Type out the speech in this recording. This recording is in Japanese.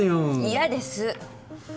嫌です！